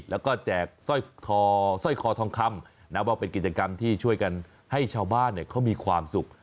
แล้วก็แจกสร้อยคอทองคำนับว่าเป็นกิจกรรมที่ช่วยกันให้ชาวบ้านเขามีความสุข